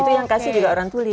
itu yang kasih juga orang tuli